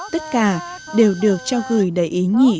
tất cả đều được cho gửi đầy ý nghĩ